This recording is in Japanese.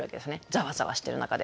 ざわざわしてる中で。